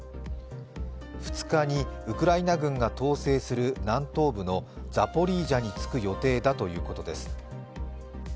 ２日にウクライナ軍が統制する南東部のザポリージャに着く予定だということです。